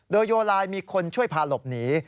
โดยโยไลน์มีคนช่วยพาหลบหนี